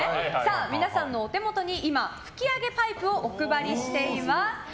皆さんのお手元に今吹き上げパイプをお配りしています。